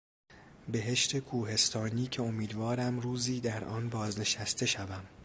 بهشت کوهستانی که امیدوارم روزی در آن بازنشسته شوم.